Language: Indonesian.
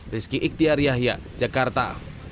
rizky iktiar yahya jakarta